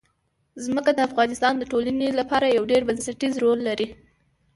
ځمکه د افغانستان د ټولنې لپاره یو ډېر بنسټيز رول لري.